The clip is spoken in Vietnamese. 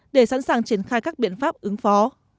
để sẵn sàng triển khai các biện pháp ứng phó